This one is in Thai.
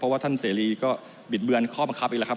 เพราะว่าท่านเศรียก็บิดเบือนขอบกับครับอีกแล้วครับ